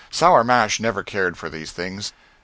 Sour Mash never cared for these things.